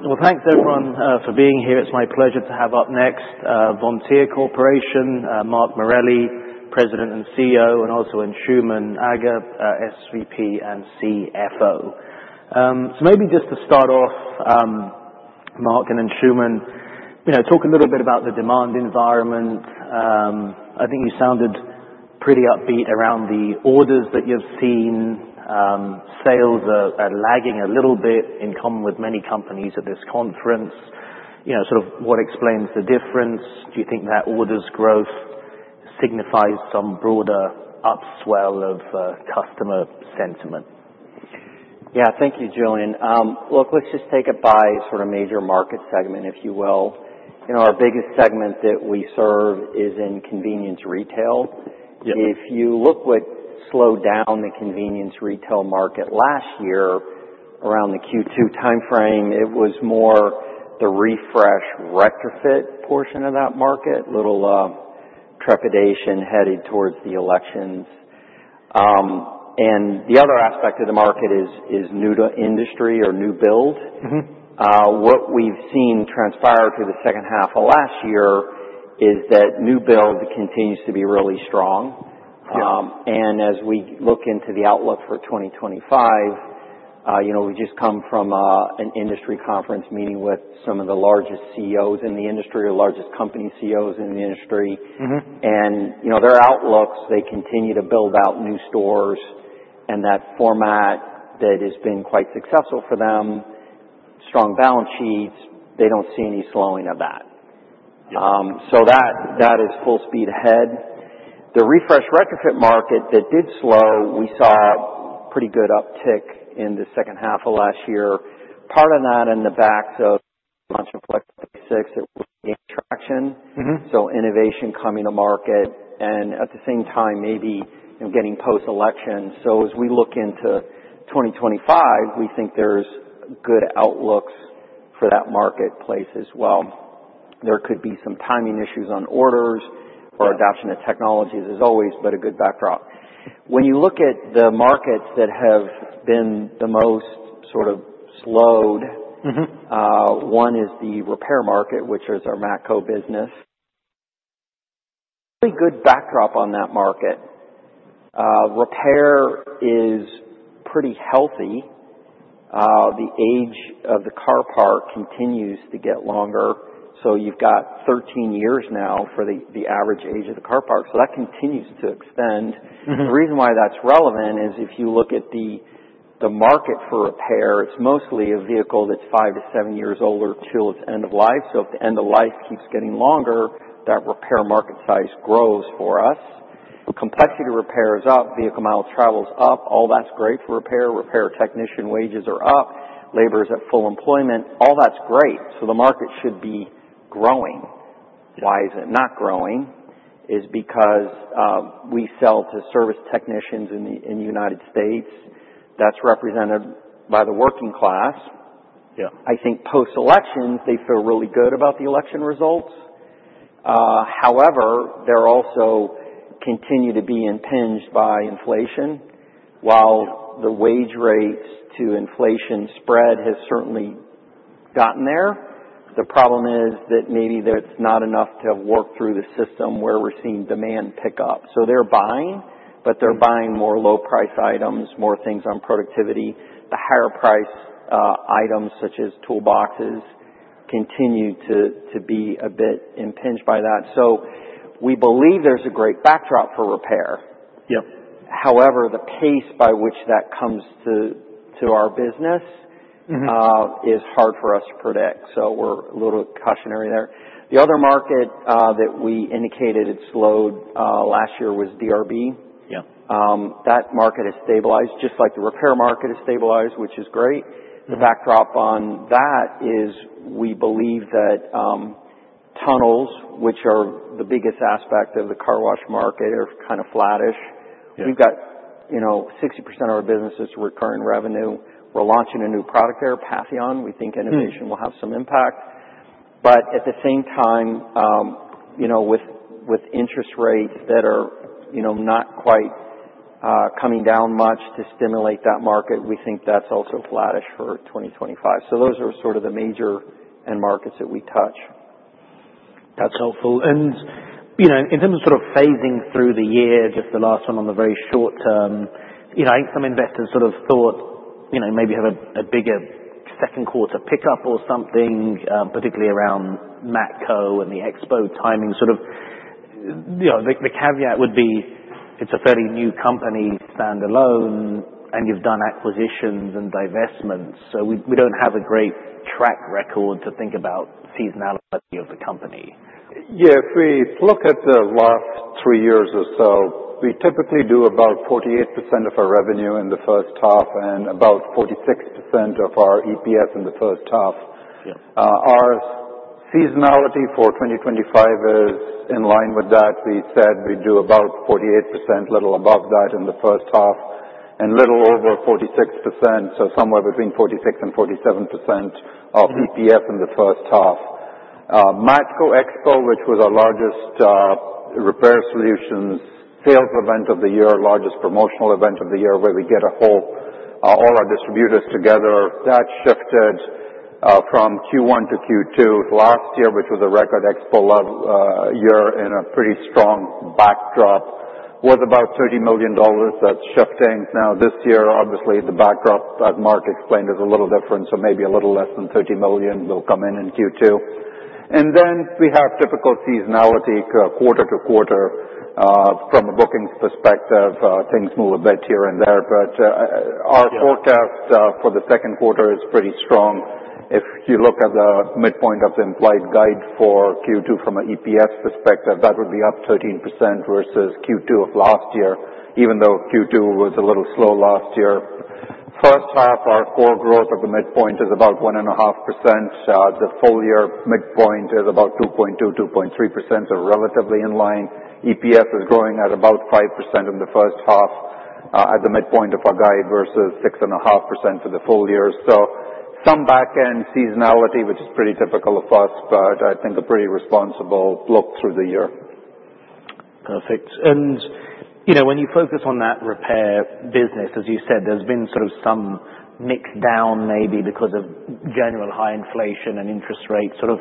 Well, thanks everyone for being here. It's my pleasure to have up next, Vontier Corporation, Mark Morelli, President and CEO, and Anshooman Aga, SVP and CFO. So maybe just to start off, Mark and Anshooman, you know, talk a little bit about the demand environment. I think you sounded pretty upbeat around the orders that you've seen. Sales are lagging a little bit in common with many companies at this conference. You know, sort of what explains the difference. Do you think that orders growth signifies some broader upswing of customer sentiment? Yeah. Thank you, Julian. Look, let's just take it by sort of major market segment, if you will. You know, our biggest segment that we serve is in convenience retail. If you look what slowed down the convenience retail market last year around the Q2 time frame, it was more the refresh retrofit portion of that market. Little trepidation headed towards the elections. The other aspect of the market is new-to-industry or new build. What we've seen transpire through the second half of last year is that new build continues to be really strong. As we look into the outlook for 2025, you know, we just come from an industry conference meeting with some of the largest CEOs in the industry or largest company CEOs in the industry. You know their outlooks, they continue to build out new stores and that format that has been quite successful for them. Strong balance sheets. They don't see any slowing of that. That is full speed ahead. The refresh retrofit market, that did slow. We saw pretty good uptick in the second half of last year. Part of that in the back of six, it gained traction. So, innovation coming to market and at the same time maybe getting post-election. So, as we look into 2025, we think there's good outlooks for that marketplace as well. There could be some timing issues on orders or adoption of technologies, as always. But a good backdrop when you look at the markets that have been the most sort of slowed one is the repair market, which is our Matco business. A good backdrop on that market. Repair is pretty healthy. The age of the car park continues to get longer. So you've got 13 years now for the average age of the car park. So that continues to extend. The reason why that's relevant is if you look at the market for repair, it's mostly a vehicle that's five to seven years older till its end of life. So if the end of life keeps getting longer, that repair market size grows. For us, complexity, repair is up, vehicle mileage, travel is up. All that's great for repair. Repair technician wages are up, labor is at full employment. All that's great. So the market should be growing. Why is it not growing is because we sell to service technicians in the United States that's represented by the working class. I think post elections they feel really good about the election results. However, they also continue to be impinged by inflation. While the wage rates to inflation spread has certainly gotten there. The problem is that maybe that's not enough to work through the system where we're seeing demand pick up. So they're buying, but they're buying more low price items, more things on productivity. The higher price items such as toolboxes continue to be a bit impinged by that. So we believe there's a great backdrop for repair. However, the pace by which that comes to our business is hard for us to predict. So we're a little cautionary there. The other market that we indicated it slowed last year was DRB. Yeah, that market has stabilized just like the repair market has stabilized, which is great. The backdrop on that is we believe that tunnels, which are the biggest aspect of the car wash market are kind of flattish. We've got, you know, 60% of our business is recurring revenue. We're launching a new product there, Patheon. We think innovation will have some impact, but at the same time, you know, with interest rates that are, you know, not quite coming down much to stimulate that market, we think that's also flattish for 2025. So those are sort of the major end markets that we touch. That's helpful. And you know, in terms of sort of phasing through the year, just the last one on the very short term, you know, I think some investors sort of thought, you know, maybe have a bigger second quarter pickup or something. Particularly around Matco and the expo timing, sort of, you know, the caveat would be it's a fairly new company standalone and you've done acquisitions and divestments. So we don't have a great track record to think about. Seasonality of the company. Yes, we look at the last three years or so. We typically do about 48% of our revenue in the first half and about 46% of our EPS in the first half. Our seasonality for 2025 is in line with that. We said we do about 48%, little above that in the first half and little over 46%. So somewhere between 46% and 47% of EPS in the first half. Matco Expo, which was our largest repair solutions sales event of the year, largest promotional event of the year where we get all our distributors together. That shifted from Q1 to Q2 last year, which was a record expo level year in a pretty strong backdrop worth about $30 million. That's shifting now this year. Obviously the backdrop, as Mark explained, is a little different. Maybe a little less than $30 million will come in in Q2 and then we have difficult seasonality quarter to quarter. From a bookings perspective things move a bit here and there, but our forecast for the second quarter is pretty strong. If you look at the midpoint of the implied guide for Q2 from an EPS perspective, that would be up 13% versus Q2 of last year. Even though Q2 was a little slow last year. First half our core growth of the midpoint is about 1.5%. The full year midpoint is about 2.2-2.3%. Relatively in line. EPS is growing at about 5% in the first half at the midpoint of our guide versus 6.5% for the full year. Come back. Seasonality, which is pretty typical of us, but I think a pretty responsible look through the year. Perfect, and you know, when you focus on that repair business, as you said, there's been sort of some mix down maybe because of general high inflation and interest rates. Sort of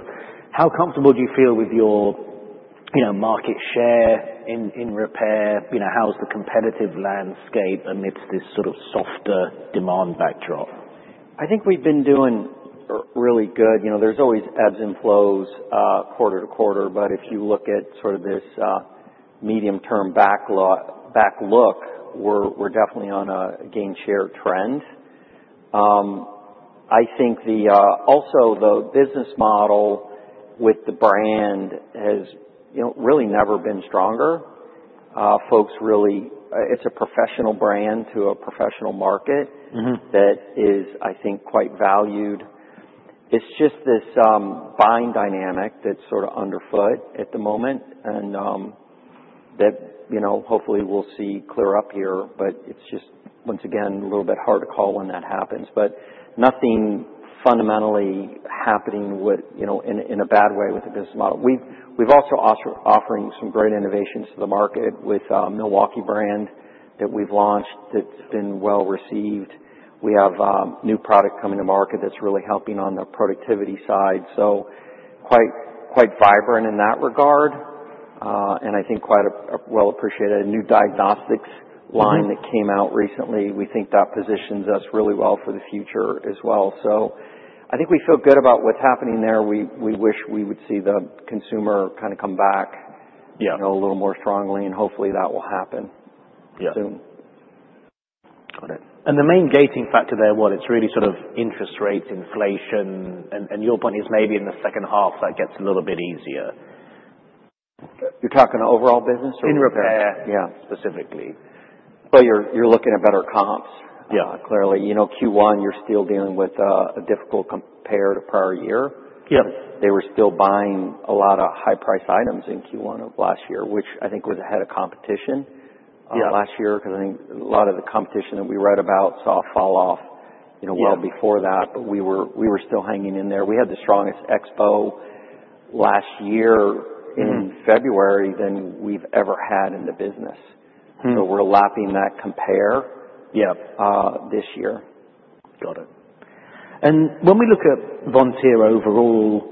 how comfortable do you feel with your, you know, market share in repair? You know, how's the competitive landscape amidst this sort of softer demand backdrop? I think we've been doing really good. You know, there's always ebbs and flows quarter to quarter. But if you look at sort of this medium term backlog outlook, we're definitely on a gain share trend. I think that's also the business model with the brand has really never been stronger, folks. Really, it's a professional brand to a professional market that is, I think, quite valued. It's just this buying dynamic that's sort of afoot at the moment and that, you know, hopefully we'll see clear up here. But it's just once again a little bit hard to call when that happens. But nothing fundamentally happening in a bad way with the business model. We're also offering some great innovations to the market with Milwaukee brand that we've launched that's been well received. We have new product coming to market that's really helping on the productivity side. So quite vibrant in that regard and I think quite well appreciated. A new diagnostics line that came out recently. We think that positions us really well for the future as well. So I think we feel good about what's happening there. We wish we would see the consumer kind of come back a little more strongly and hopefully that will happen soon. Got it. And the main gating factor there, what it's really sort of interest rates, inflation. And your point is maybe in the second half that gets a little bit easier. You're talking overall business in repair. Yeah. Specifically. You're looking at better comps clearly, you know. Q1 you're still dealing with a difficult compare to prior year. Yeah, They were still buying a lot of high-priced items in Q1 of last year, which I think was ahead of competition last year because I think a lot of the competition that we read about saw fall off, you know, well before that. But we were still hanging in there. We had the strongest expo last year in February than we've ever had in the business. So we're lapping that compare. Yeah. This year. Got it. And when we look at Vontier overall,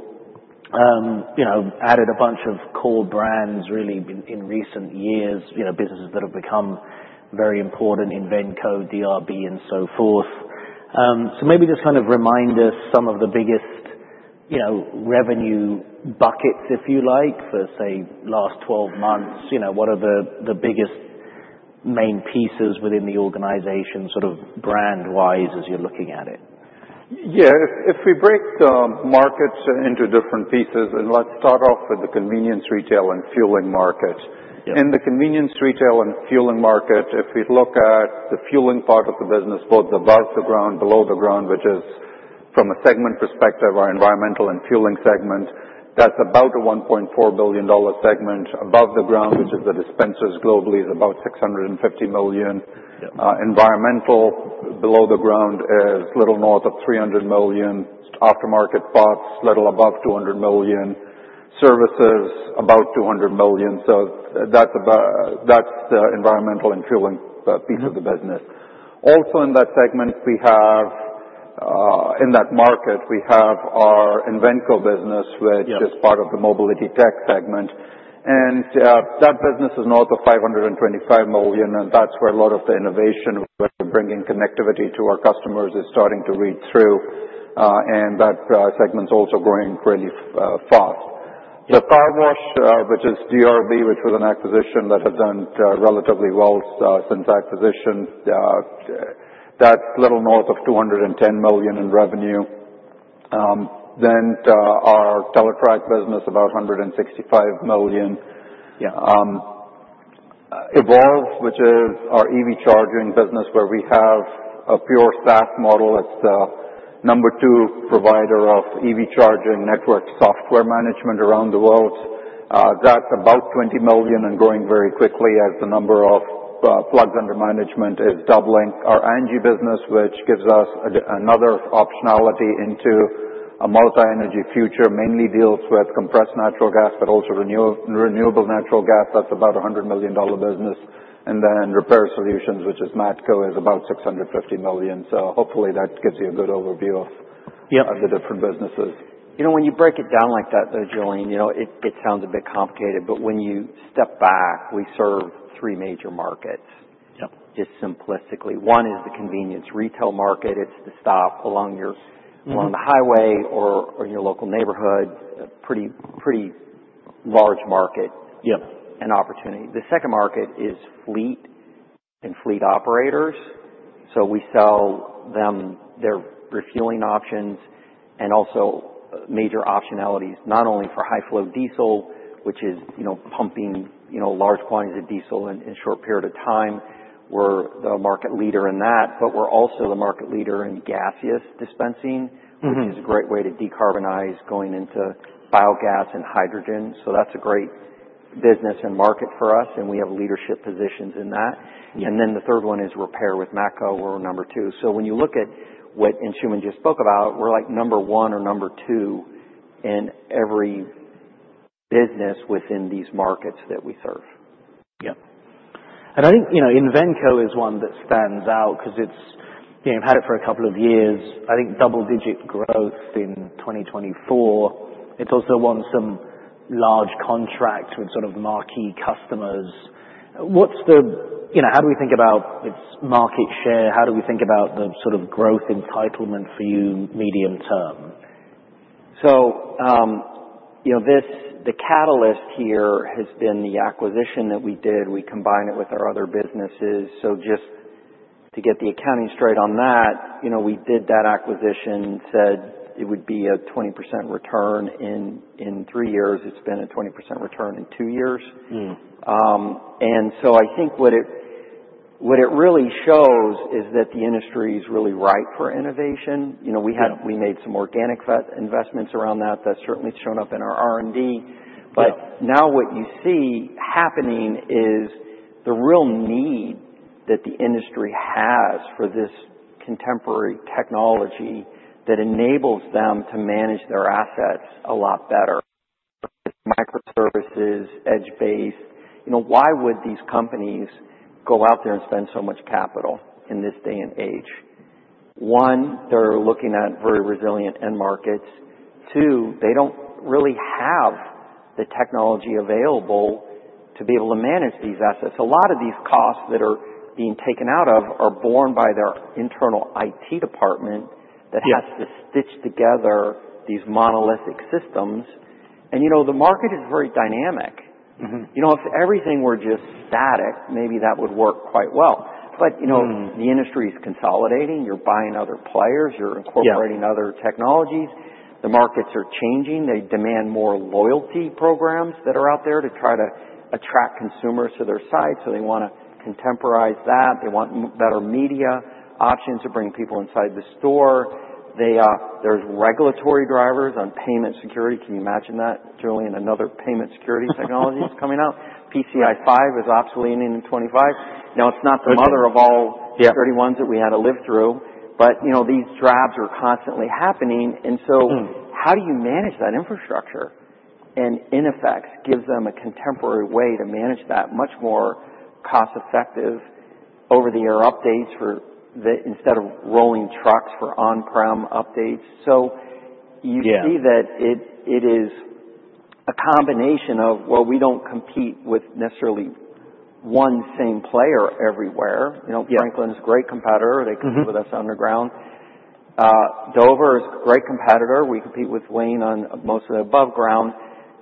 you know, added a bunch of core brands really in recent years, you know, businesses that have become very important in Invenco, DRB and so forth. So maybe just kind of remind us some of the biggest, you know, revenue buckets if you like, for say last 12 months. You know, what are the, the biggest main pieces within the organization sort of brand wise as you're looking at it. Yeah. If we break the market into different pieces and let's start off with the convenience, retail and fueling market. In the convenience, retail and fueling market, if we look at the fueling part of the business, both above the ground, below the ground, which is from a segment perspective, our environmental and fueling segment, that's about a $1.4 billion segment. Above the ground, which is the dispensers globally is about $650 million. Environmental below the ground is a little north of $300 million. Aftermarket parts, a little above $200 million. Services about $200 million. So that's about, that's the environmental and fueling piece of the business. Also in that segment we have, in that market we have our Invenco business which is part of the mobility tech segment, and that business is north of $525 million. That's where a lot of the innovation bringing connectivity to our customers is starting to read through. That segment's also growing really fast. The car wash, which is DRB, which was an acquisition that has done relatively well since acquisition, that's little north of $210 million in revenue. Our Teletrac business, about $165 million. Yeah. EVolve, which is our EV charging business. Where we have a pure SaaS model, it's the number two provider of EV charging network software management around the world. That's about $20 million and growing very quickly as the number of plugs under management is doubling. Our ANGI business, which gives us another optionality into a multi-energy future, mainly deals with compressed natural gas, but also renewable natural gas. That's about $100 million business. And then Repair Solutions, which is Matco, is about $650 million. So hopefully that gives you a good overview of the different businesses. You know, when you break it down like that though, Julian, you know, it sounds a bit complicated, but when you step back, we serve three major markets just simplistically. One is the convenience retail market. It's the stop along the highway or your local neighborhood. A pretty, pretty large market. Yep. And opportunity. The second market is fleet and fleet operators. So we sell them their refueling options. And also major optionalities not only for high flow diesel, which is, you know, pumping, you know, large quantities of diesel in a short period of time. We're the market leader in that, but we're also the market leader in gaseous dispensing which is a great way to decarbonize going into biogas and hydrogen. So that's a great business and market for us and we have leadership positions in that. And then the third one is repair. With Matco we're number two. So when you look at what Anshooman just spoke about, we're like number one or number two in every business within these markets that we serve. Yeah. And I think, you know, Invenco is one that stands out because it's, you've had it for a couple of years. I think double digit growth in 2020. It's also won some large contracts with sort of marquee customers. What's the, you know, how do we think about its market share? How do we think about the sort of growth entitlement for you medium term? So you know, this, the catalyst here has been the acquisition that we did. We combine it with our other businesses. So just to get the accounting straight on that, you know, we did that acquisition, said it would be a 20% return in three years. It's been a 20% return in two years. And so I think what it really shows is that the industry is really ripe for innovation. You know, we made some organic investments around that that certainly shown up in our R&D. But now what you see happening is the real need that the industry has for this contemporary technology that enables them to manage their assets a lot better. Microservices, edge-based. You know, why would these companies go out there and spend so much capital in this day and age? One, they're looking at very resilient end markets. Two, they don't really have the technology available to be able to manage these assets. A lot of these costs that are being taken out of are borne by their internal IT department that has to stitch together these monolithic systems. And you know, the market is very dynamic. You know if everything were just static maybe that would work quite well. But you know the industry is consolidating. You're buying other players, you're incorporating other technologies. The markets are changing. They demand more loyalty programs that are out there to try to attract consumers to their site. So they want to contemporize that. They want better media options to bring people inside the store. There's regulatory drivers on payment security. Can you imagine that? Julian? Another payment security technology is coming out. PCI 5.0 is obsolete in 2025 now. It's not the mother of all Y2Ks that we had to live through. But you know these drafts are constantly happening and so how do you manage that infrastructure and in effect gives them a contemporary way to manage that much more cost effective over-the-air updates for them instead of rolling trucks for on-prem updates. You see that it is a combination of. We don't compete with necessarily one same player everywhere. You know, Franklin is a great competitor. They compete with us underground. Dover is great competitor. We compete with Wayne on most of the above-ground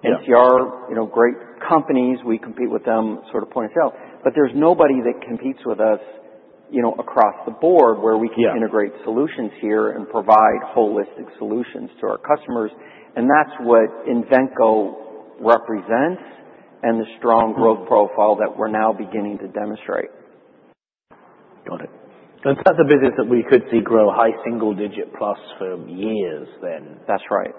NTI. Great companies. We compete with them, sort of point us out. But there's nobody that competes with us across the board where we can integrate solutions here and provide holistic solutions to our customers. And that's what Invenco represents. And the strong growth profile that we're now beginning to demonstrate. Got it. That's a business that we could see grow high single digit plus for years then. That's right.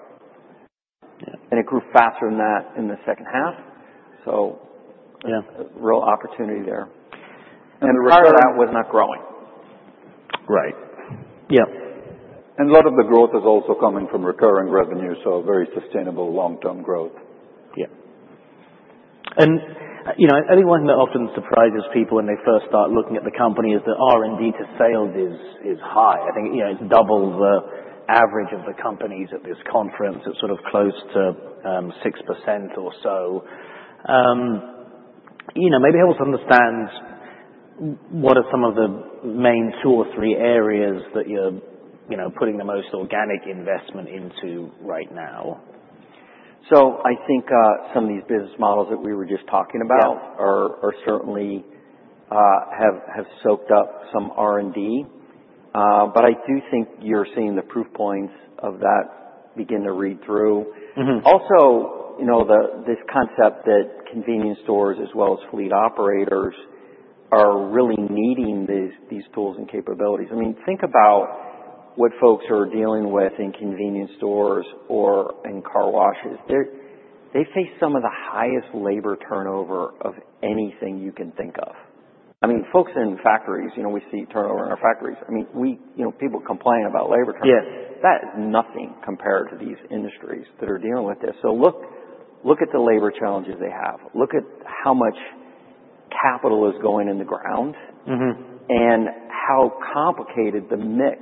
And it grew faster than that in the second half. So yeah, real opportunity there. And the rest of that was not growing, right? Yeah. A lot of the growth is also coming from recurring revenue. Very sustainable long term growth. Yeah. You know, anyone that often surprises people when they first start looking at the company is that R&D to sales is high. I think, you know, it's double the average of the companies at this conference. It's sort of close to 6% or so. You know, maybe help us understand. What are some of the main two or three areas that you're, you know, putting the most organic investment into right now? I think some of these business models that we were just talking about certainly have soaked up some R&D. I do think you're seeing the proof points of that begin to read through also, you know this concept that convenience stores as well as fleet operators are really needing these tools and capabilities. I mean think about what folks are dealing with in convenience stores or in car washes. They face some of the highest labor turnover of anything you can think of. I mean folks in factories, you know, we see turnover in our factories. I mean we, you know, people complain about labor. Yes, that is nothing compared to these industries that are dealing with this. Look at the labor challenges they have. Look at how much capital is going in the ground and how complicated the mix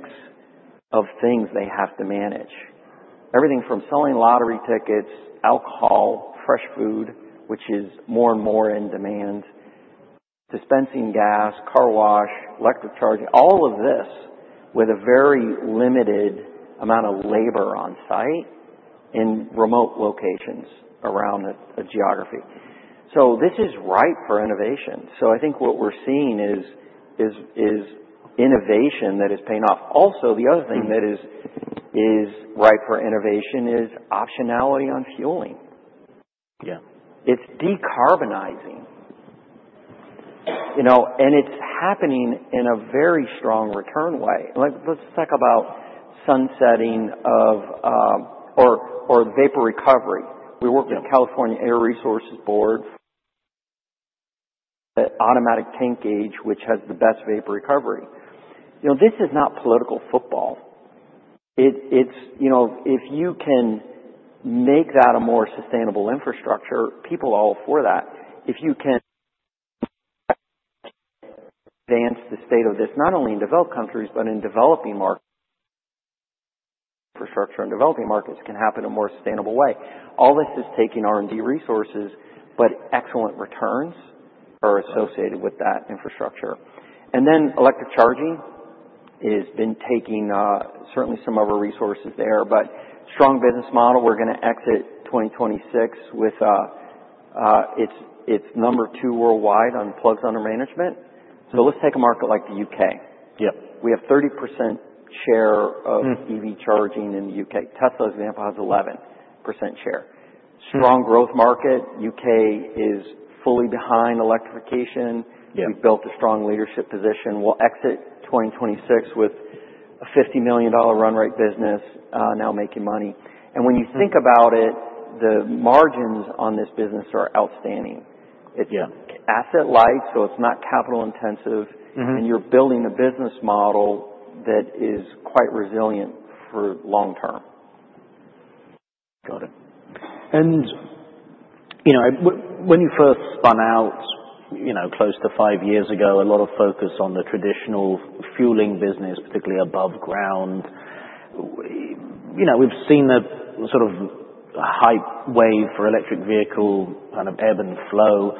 of things they have to manage. Everything from selling lottery tickets, alcohol, fresh food which is more and more in demand. Dispensing gas, car wash, electric charging, all of this with a very limited amount of labor on site in remote locations around a geography. This is ripe for innovation. I think what we're seeing is. Innovation that is paying off also. The other thing that is ripe for innovation is optionality on fueling. It's decarbonizing. It's happening in a very strong return way. Let's talk about sunsetting or vapor recovery. We work with California Air Resources Board. Automatic tank gauge which has the best vapor recovery. You know this is not political football. It's, you know, if you can make that a more sustainable infrastructure, people all for that. If you can. Advance the state of this not only in developed countries but in developing markets. Infrastructure and developing markets can happen a more sustainable way. All this is taking R&D resources but excellent returns are associated with that infrastructure. Then electric charging has been taking certainly some of our resources there. Strong business model. We're going to exit 2026 with. It's number two worldwide on plugs under management. Take a market like the U.K. We have 30% share of EV charging in the U.K. Tesla, for example, has 11% share. Strong growth market. U.K. is fully behind electrification. We built a strong leadership position. We'll exit 2026 with a $50 million run rate business now making money. When you think about it, the margins on this business are outstanding. It's asset light so it's not capital intensive. You're building a business model that is quite resilient for long term. Got it. You know when you first spun out, you know, close to five years ago, a lot of focus on the traditional fueling business, particularly above ground. You know, we've seen the sort of hype wave for electric vehicle kind of ebb and flow.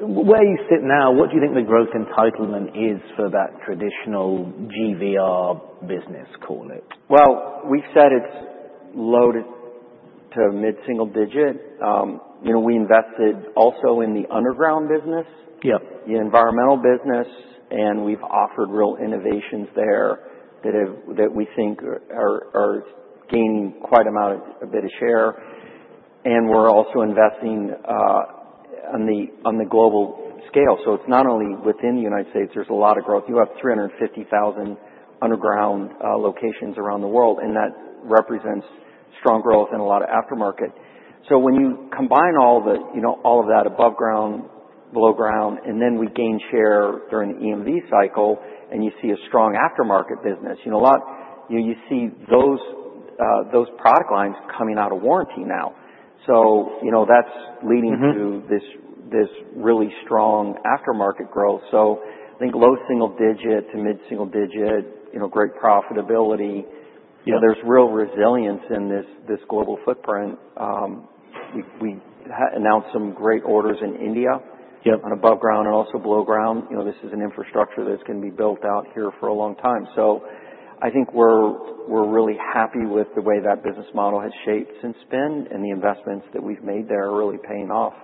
Where you sit now, what do you think the growth entitlement is for that traditional GVR business, call it? We have said it is loaded to mid single digit. You know, we invested also in the underground business. Yeah, the environmental business. We have offered real innovations there that we think are gaining quite a bit of share. We are also investing. On the global scale. It's not only within the United States. There's a lot of growth. You have 350,000 underground locations around the world and that represents strong growth and a lot of aftermarket. When you combine all of that above ground, below ground, and then we gain share during the EMV cycle and you see a strong aftermarket business, you see those product lines coming out of warranty now. That's leading to this really strong aftermarket growth. I think low single digit to mid single digit, great profitability. There's real resilience in this global footprint. We announced some great orders in India in above ground and also below ground. This is an infrastructure that's going to be built out here for a long time. I think we're really happy with the way that business model has shaped since spin and the investments that we've made there are really paying off.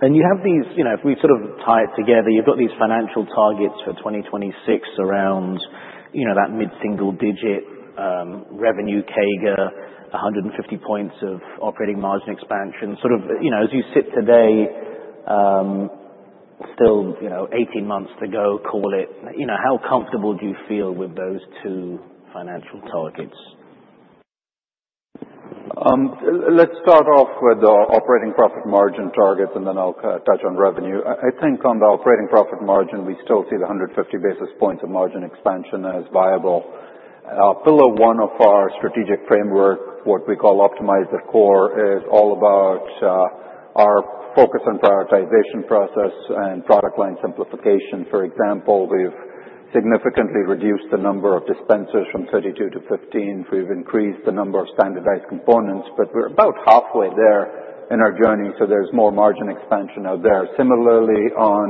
You have these, you know, if we sort of tie it together, you've got these financial targets for 2026 around, you know, that mid single digit revenue CAGR, 150 basis points of operating margin expansion, sort of, you know, as you sit today. Still, you know, 18 months to go, call it, you know, how comfortable do you feel with those two financial targets? Let's start off with the operating profit margin targets and then I'll touch on revenue. I think on the operating profit margin we still see the 150 basis points of margin expansion as viable pillar. One of our strategic framework, what we call optimize the core, is all about our focus on prioritization process and product line simplification. For example, we've significantly reduced the number of dispensers from 32 to 15. We've increased the number of standardized components. We're about halfway there in our journey. There is more margin expansion out there. Similarly, on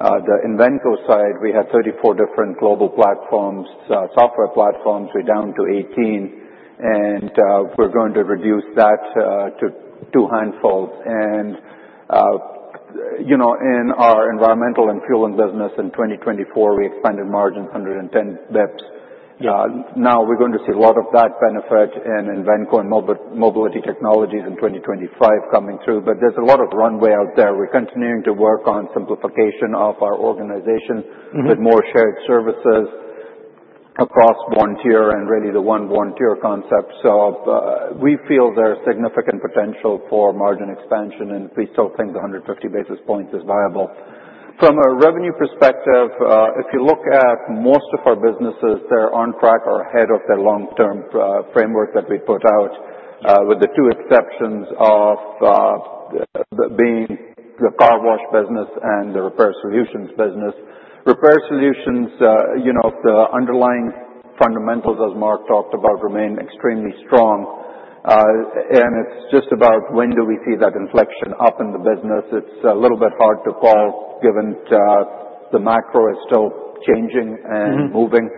the Invenco side we had 34 different global platforms, software platforms. We're down to 18 and we're going to reduce that to two handfuls. You know, in our environmental and fueling business in 2024 we expanded margins 110 basis points. Now we're going to see a lot of that benefit in Invenco and mobility technologies in 2025 coming through. There is a lot of runway out there. We're continuing to work on some simplification of our organization with more shared services across Vontier and really the one Vontier concept. We feel there's significant potential for margin expansion and we still think the 150 basis points is viable from a revenue perspective. If you look at most of our businesses, they're on track or ahead of their long term framework that we put out with the two exceptions of being the car wash business and the repair solutions business, you know, the underlying fundamentals as Mark talked about, remain extremely strong and it is just about when do we see that inflection up in the business? It is a little bit hard to call given the macro is still changing and moving,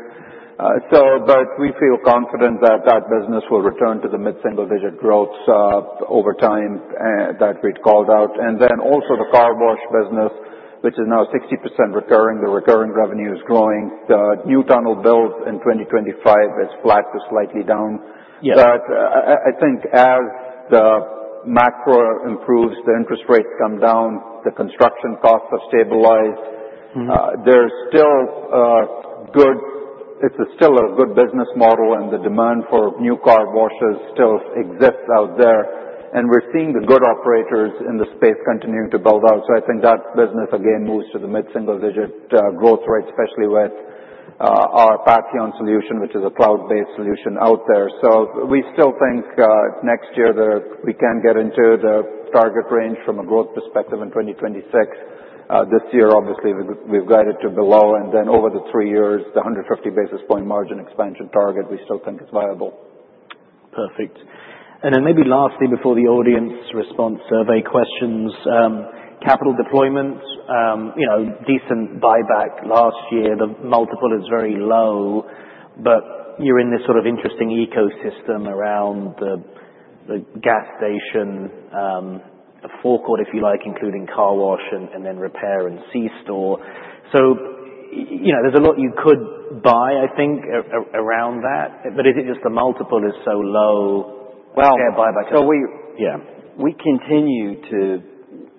but we feel confident that that business will return to the mid single digit growth over time that we had called out. Also, the car wash business, which is now 60% recurring, the recurring revenue is growing. The new tunnel build in 2025 is flat to slightly down. I think as the macro improves, the interest rates come down, the construction costs are stabilized. There's still good, it's still a good business model and the demand for new car washes still exists out there and we're seeing the good operators in the space continuing to build out. I think that business again moves to the mid single digit growth rate especially with our Patheon solution which is a cloud based solution out there. We still think next year we can get into the target range from a growth perspective in 2026. This year obviously we've got it to below. Over the three years the 150 basis point margin expansion target we still think is viable. Perfect. And then maybe lastly before the audience response survey questions, capital deployment, you know, decent buyback last year the multiple is very low. But you're in this sort of interesting ecosystem around the gas station forecourt if you like, including car wash and then repair and C-store. So you know there's a lot you could buy I think around that. But is it just the multiple is so low? Yeah, we continue to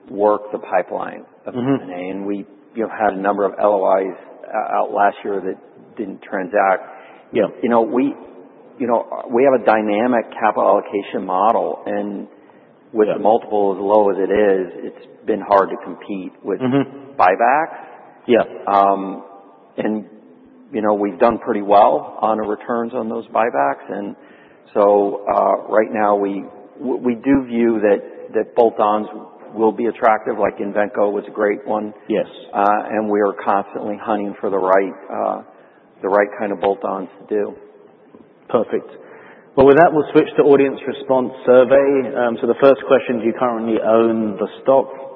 work the pipeline and we, you know, had a number of LOIs out last year that did not transact. Yeah, you know, we have a dynamic capital allocation model and with the multiple as low as it is, it has been hard to compete with buybacks. Yeah. You know we've done pretty well on the returns on those buybacks and right now we do view that bolt ons will be attractive. Like Invenco was a great one. Yes. We are constantly hunting for the right, the right kind of bolt-ons to do. Perfect. With that we'll switch to audience response survey. The first question, do you currently own the stock?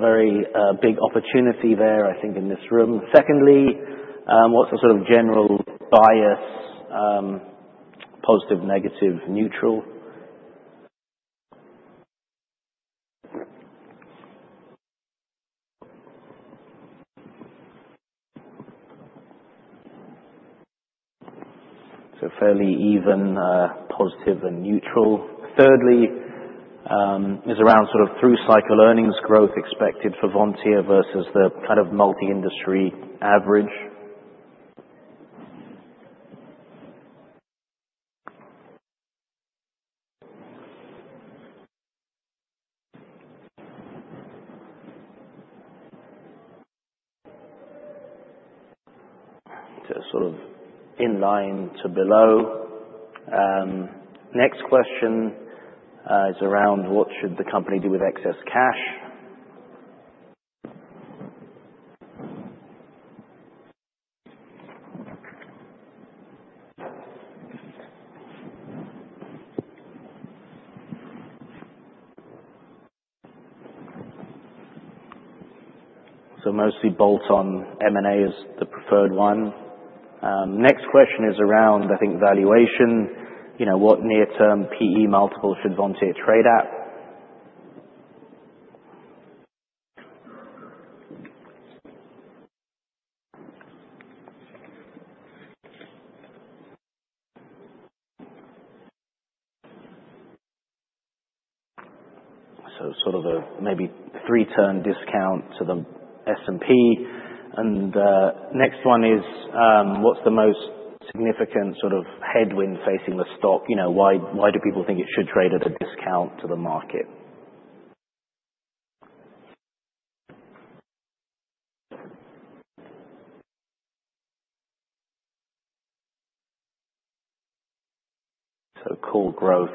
Very big opportunity there I think in this room. Secondly, what's a sort of general bias? Positive, negative, neutral. Fairly even positive and neutral. Thirdly is around sort of through cycle earnings growth expected for Vontier versus the kind of multi industry average. Sort of in line to below. Next question is around what should the company do with excess cash? Mostly bolt-on M&A is the preferred one. Next question is around, I think, valuation. You know, what near-term PE multiple should Vontier trade at sort of a maybe 3 turn discount to the S&P. Next one is what's the most significant sort of headwind facing the stock? You know, why do people think it should trade at a discount to the market? Call growth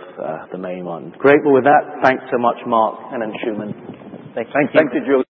the main one. Grateful with that. Thanks so much Mark and Anshooman. Thank you. Thank you, Julian.